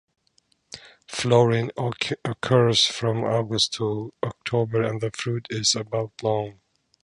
Flowering occurs from August to October and the fruit is about long.